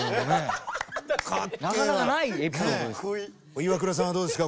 イワクラさんはどうですか？